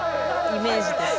イメージです。